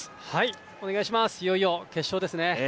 いよいよ決勝ですね。